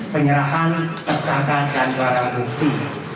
penyerahan tersangka dan warang dukti